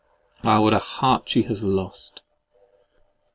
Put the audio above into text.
Ah! what a heart she has lost!